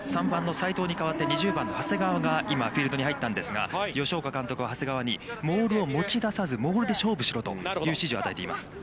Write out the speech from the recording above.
３番の齋藤に代わって２０番の長谷川が今フィールドに入ったんですが、吉岡監督が長谷川にボールを持ち出さず、モールで勝負しろという指示を与えています。